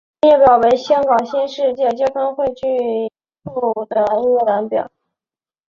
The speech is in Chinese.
本列表为香港新界区道路交汇处的一览表。